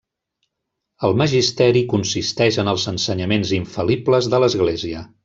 El Magisteri consisteix en els ensenyaments infal·libles de l'Església.